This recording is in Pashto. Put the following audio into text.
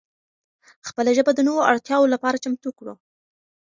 خپله ژبه د نوو اړتیاو لپاره چمتو کړو.